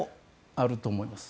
あると思います。